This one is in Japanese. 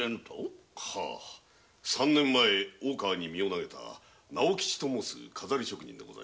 はぃ三年前大川に身を投げた「直吉」という飾り職人です。